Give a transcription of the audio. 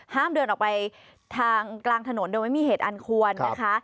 ห้ามเดินออกไปทางกลางถนนโดยไม่มีเหตุอันควรนะคะ